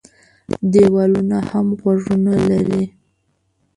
دېوالونه هم غوږونه لري.